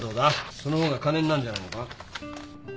そのほうが金になるんじゃないのか。